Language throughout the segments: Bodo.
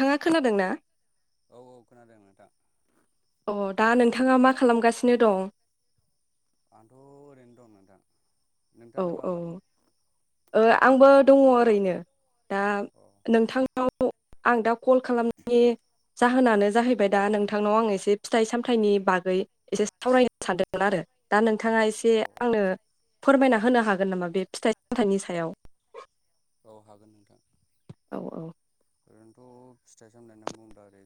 थाङा खोनादों ना? औ औ खोनादों नोंथां। अ दा नोंथाङा मा खालामगासिनो दं। आंथ' ओरैनो दं नोंथां। औ नोंथाङालाय मा औ खालामदों ओ आंबो दङ ओरैनो दा। अ। नोंथांनाव आं दा कल खालामनि जाहोनानो जाहैबाय दा नोंथांनाव आं एसे फिथाइ सामथाइनि बागै एसे सावरायनो सानदोंमोन आरो दा नोंथाङा एसे औ औ आंनो फोरमायना होनो हागोन नामा बे फिथाइ सामथाइनि सायाव? औ हागोन नोंथां। औ औ। ओरैनोथ' फिथाइ सामथाय होननानै बुङोब्ला ओरै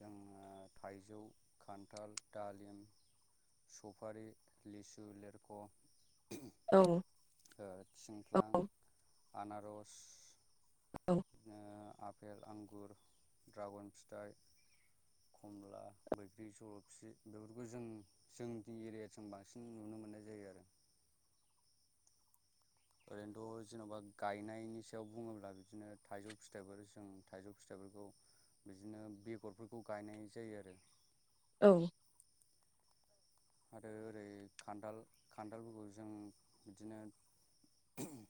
जोङो थाइजौ खान्थाल दालिम सफारि लिसु लेरख' औ ओ थिंख्लां आनारस औ बिदिनो आफेल आंगुर द्रागन फिथाइ खमला बैग्रि जल'फि बेफोरखौ जों जोंनि एरिया जों बांसिन नुनो मोननाय जायो आरो ओरैनोथ' जेन'बा गायनायनि सायाव बुङोब्ला बिदिनो थाइजौ फिथाइफोर जों थाइजौ फिथाइफोरखौ बिदिनो बेगरफोरखौ गायनाय जायो आरो। औ। आरो ओरै खान्थाल खान्थालफोरखौ जों बिदिनो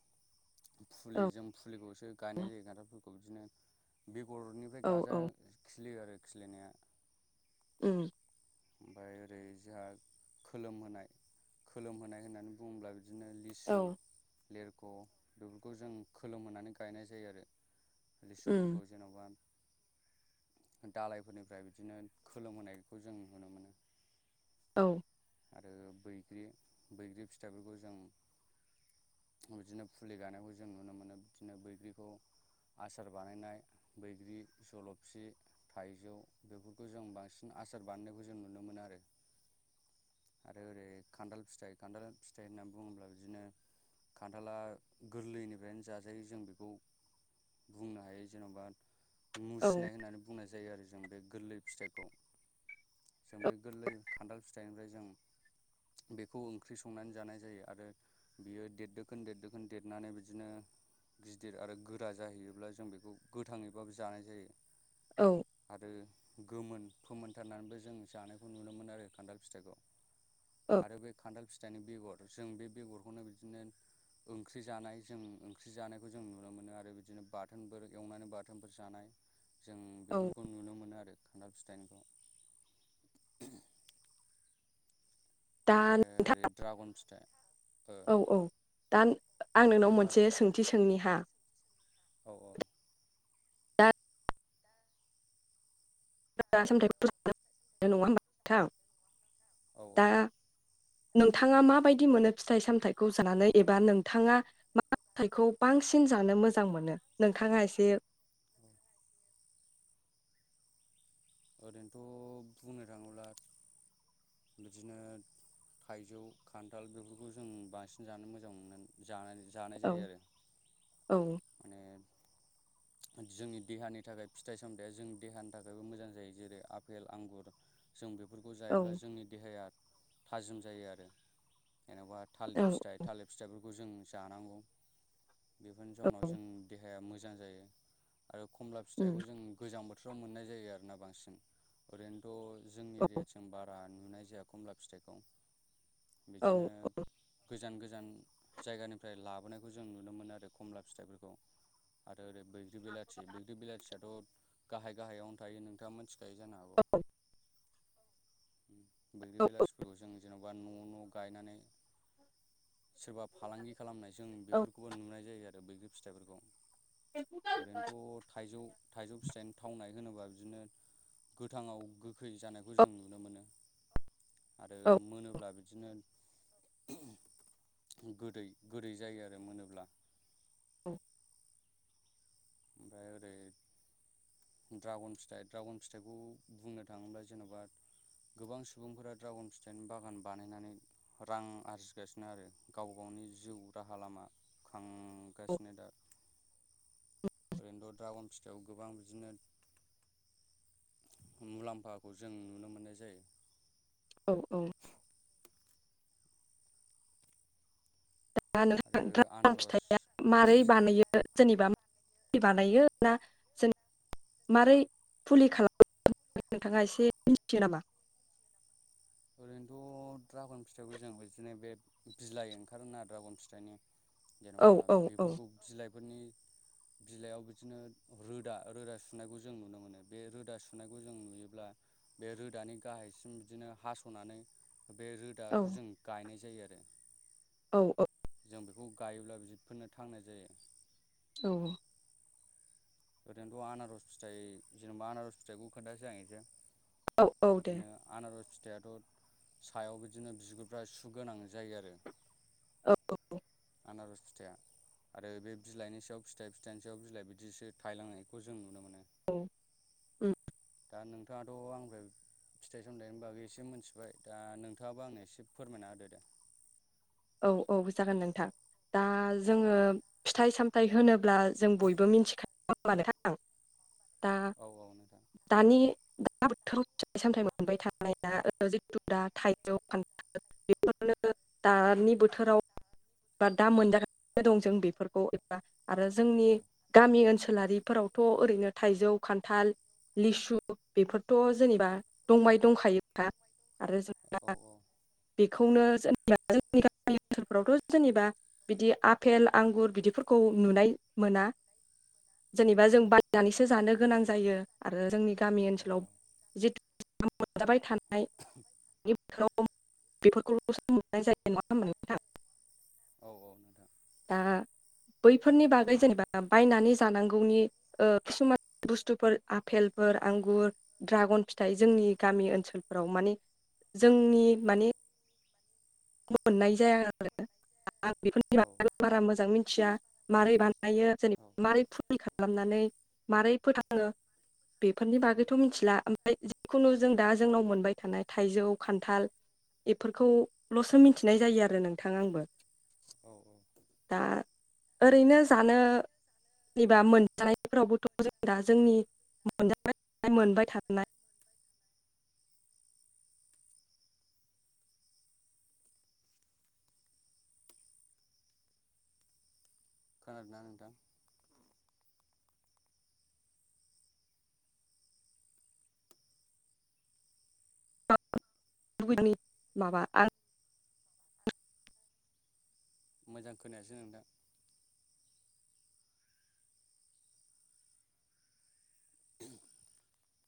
[inaudible] फुलि औ जों फुलिखौसो गायनाय जायो खान्थालफोरखौ बिदिनो बेगर'नि ओमफ्राय औ गाजा औ खिलियो आरो खिलिनाया। उम ओमफ्राय ओरै जोहा खोलोमहोनाय खोलोमहोनाय होननानै बुङोब्ला बिदिनो औ लिसु लेरख' बेफोरखौ जों खोलोमहानै गायनाय जायो आरो उम लिसुफोरखौ जेन'बा दालायफोरनिफ्राय बिदिनो खोलोमहोनायखौ जों नुनो मोनो औ आरो बैग्रि बैग्रि फिथाइफोरखौ जों बिदिनो फुलि गानायखौ जों नुनो मोनो बिदिनो बैग्रिखौ आसार बानायनाय बैग्रि जल'फि थाइजौ बेफोरखौ जों बांसिन आसार बानायनायखौ जों नुनो मोनो आरो। आरो ओरै खान्थाल फिथाइ खान्थाल फिथाइ होननानै बुङोब्ला बिदिनो खान्थाला गोरलैनिफ्रायनो जाजायो जों बेखौ बुंनो हायो जेन'बा औ मुसिनाय होननानै बुंनाय जायो आरो जों बे गोरलै फिथाइखौ जों बे गोरलै खान्थाल फि थायनिफ्राय जों बेखौ ओंख्रि संनानै जानाय जायो आरो बियो देरदोखोन देरदोखोन देरनानै बिदिनो गिदिर आरो गोरा जाहैयोब्ला जों बेखौ गोथाङैबाबो जानाय जायो औ आरो गोमोन फोमोनथारनानैबो जों जानायखौ नुनो मोनो आरो खान्थाल फिथाइखौ औ आरो बे खान्थाल फिथाइनि बेगर जों बे बेगरखौनो बिदिनो ओंख्रि जानाय जों ओंख्रि जानायखौ जों नुनो मोनो आरो बिदिनो बाथोनफोर एवनानै बाथोन फोर जानाय जों औ बेफोरखौ नुनो मोनो आरो खान्थाल फिथाइनिखौ दा नोंथां ओमफ्राय ड्रागन फिथाइ ओ औ औ दा आं नोंनाव जेन'बा मोनसे सोंथि सोंनि हा औ औ दा [unintelligible] नङा होमबा नोंथां औ औ दा नोंथाङा माबायदि मोनो फिथाइ सामथाइखौ जानानै एबा नोंथाङा मा फिथाइखौ बांसिन जानो मोजां मोनो नोंथाङा एसे औ ओरैनोथ' बुंनो थाङोब्ला बिदिनो थाइजौ खान्थाल बेफोरखौ जों बांसिन जानो मोजां मोनो जानानै जानाय औ जायो आरो औ माने जोंनि देहानि थाखाय फिथाइ सामथाइया जोंनि देहानि थाखायबो मोजां जायो जेरै आपेल आंगुर जों बेफोरखौ जायोब्ला औ जोंनि देहाया थाजिम जायो आरो जेन'बा थालिर औ फिथाइ थालिर फिथाइफोरखौ जों जानांगौ बेफोरनि जाउनाव जों देहाया मोजां जायो आरो खमला उम फिथाइखौ जों गोजां बोथोराव मोननाय जायो आरो ना बांसिन ओरैनोथ' जोंनि एरियाथिं बारा नुनाय जाया खमला फिथाइखौ औ बिदिनो गोजान गोजान जायगानिफ्राय लाबोनायखौ जों नुनो मोनो आरो खमला फिथाइफोरखौ। आरो [unintelligible] बैग्रि बिलाथि बैग्रि बिलाथियाथ' गाहाय गाहायावनो थायो नोंथाङा मिथिखायो जानो हागौ। [inaudible] बैग्रि औ बेलासिफोरखौ जों जेन'बा न' न' गायनानै सोरबा फालांगि खालामनाय जों औ बेफोरखौबो नुनाय जायो आरो बैग्रि फिथाइफोरखौ ओरैनोथ' थाइजौ थाइजौ फिथाइनि थावनाय होनोबा बिदिनो गोथाङाव गोखै जानायखौ जों नुनो मोनो आरो औ मोनोब्ला बिदिनो गोदै गोदै जायो आरो मोनोब्ला ओमफ्राय ओरै ड्रागन फिथाइ ड्रागन फिथाइखौ बुंनो थाङोब्ला जेन'बा गोबां सुबुंफोरा द्रागन फिथाइनि बागान बानायनानै रां आरजिगासिनो आरो गाव गावनि जिउ राहा लामा खां [unintelligible] गासिनो दा ओरैनोथ' द्रागन फिथाइआव गोबां बिदिनो मुलाम्फाखौ जों नुनो मोन्नाय जायो। औ औ। दा नोंथां आरो द्रागन आनारस फिथाइया मारोरै बानायो? जेनेबा [unintelligible] मारै फुलि खालामो नोंथाङा एसे मिथियो नामा? ओरैनोथ' द्रागन फिथाइखौ जों बिदिनो बे बिलाइ ओंखारोना द्रागन फिथाइनि औ जेन'बा औ औ बेफोरखौ बिलाइफोरनि बिलाइयाव बिदिनो रोदा रोदा सुनायखौ जों नुनो मोनो बे रोदा सुनायखौ जों नुयोब्ला बे रोदानि गाहायसिम बिदिनो हा स'नानै बे औ रोदाखौ जों गायनाय जायो आरो। औ औ। जों बेखौ गायोब्ला बिफोरनो थांनाय जायो। औ। ओरैनोथ' आनारस फिथाइ जेनेबा आनारस फिथाइखौ खोनथानसै आं इसे औ औ दे बिदिनो आनारस फिथाइआथ' सायाव बिदिनो बिगुरफ्रा सुगोनां जायो आरो। औ। आनारस फिथाइया आरो बे बिलाइनि सायाव फिथाइ फिथाइनि सायाव बिलाइ बिदिसो थायलांनायखौ जों नुनो मोनो औ दा नोंथाङाथ' आंफ्राय फिथाइ सामथाइनि बागै एसे मिथिबाय दा नोंथाङाबो आंनो एसे फोरमायना होदो दे। औ औ जागोन नोंथां दा जोङो औ फिथाइ सामथायाइ होनोब्ला जों बयबो मिथिखायो नङा होमबा नोंथां। दा औ औ नोंथां दानि दा बोथोराव फिथाइ सामथाय मोनबाय थानायना जिथु दा थाइजौ खान [unintelligible] दानि बोथोराव बा दा मोनजागासिनो दं जों बेफोरखौ एबा आरो जोंनि औ गामि ओनसोलारिफोरावथ' ओरैनो थाइजौ खान्थाल लिसु बेफोरथ' जेनेबा दंबाय दंखायोखा। आरो औ जेनेबा औ बेखौनो जेनेबा जोंनि गामि ओनसोलफोरावथ' जेनेबा। बिदि आफेल आंगुर बिदिफोरखौ नुनाय मोना। जेनेबा जों बायनानैसो जानो गोनां जायो आरो जोंनि गामि औ ओनसोलाव जिथु [unintelligible] मोनजाबाय थानाय बोथोराव बेफोरखौल'सो मोननाय जायो नंङा होमबा नोंथां। औ औ नोंथां। दा बैफोरनि बागै जेनेबा बायनानै जानांगौनि ओ खिसुमान बुस्थुफोर आफेलफोर आंगुर ड्रागन फिथाइ जोंनि गामि ओनसोलफोराव माने जोंनि माने मोननाय जाया आरो आं बेफोरनि औ बगै बारा मोजां मिथिया मारै बानायो। औ जेनेबा मारै फुल खालामनानै माबारै फोथांङो बेफोरनि उम बागैथ' मिथिला जिखुनु जों दा जोंनाव मोनबाय थानाय थाइजौ खान्थाल बेफोरखौ ल'सो मिथिनाय जायो आरो नोंथां आंबो। औ औ। दा ओरैनो जानो निबा मोनजानायफोरावबोथ' जों दा जोंनि मोनजाबाय थानाय मोनबाय थानाय खोनादोंना नोंथां? गुबनि माबा आं मोजां खोनायासै नोंथां। [unintelligible]